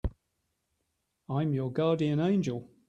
I'm your guardian angel.